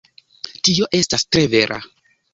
Tio estas tre vera.